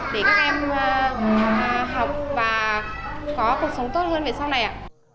để các em học và có cuộc sống tốt hơn về sau này ạ